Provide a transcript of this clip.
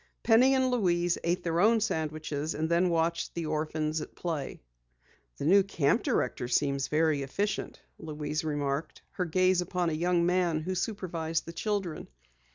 Penny and Louise ate their own sandwiches, and then watched the orphans at play. "The new camp director seems very efficient," Louise remarked, her gaze upon a young man who supervised the children.